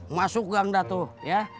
masuk gang dah tuh